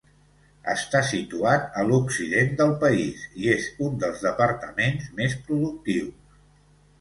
Està situat a l'occident del país, i és un dels departaments més productius.